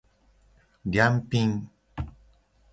りゃんぴん